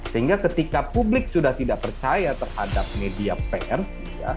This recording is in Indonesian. sehingga ketika publik sudah tidak percaya terhadap media pers